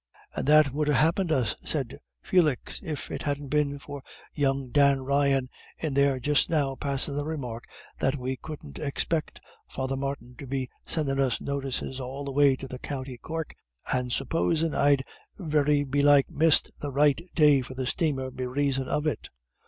"And that would ha' happint us," said Felix, "if it hadn't been for young Dan Ryan in there just now passin' the remark that we couldn't expec' Father Martin to be sendin' us notices all the way to the County Cork, and supposin' I'd very belike missed the right day for the stamer be raison of it.